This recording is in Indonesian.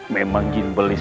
memang jin belis